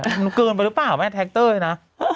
มันเกินไปหรือเปล่าแม่ทรัคเตอร์น่ะ